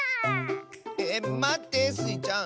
えまってスイちゃん！